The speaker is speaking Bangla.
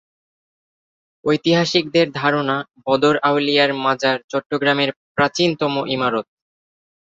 ঐতিহাসিকদের ধারণা বদর আউলিয়ার মাজার চট্টগ্রামের প্রাচীনতম ইমারত।